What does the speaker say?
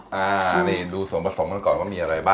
อันนี้ดูส่วนผสมกันก่อนว่ามีอะไรบ้าง